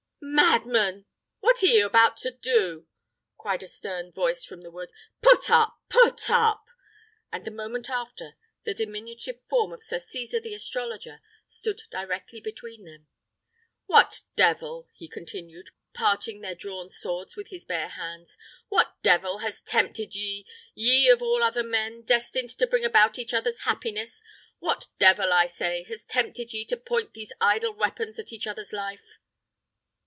"Madmen! what are ye about to do?" cried a stern voice from the wood. "Put up, put up!" and the moment after, the diminutive form of Sir Cesar the astrologer stood directly between them. "What devil," he continued, parting their drawn swords with his bare hands; "what devil has tempted ye ye, of all other men, destined to bring about each others' happiness what devil, I say, has tempted ye to point these idle weapons at each other's life?"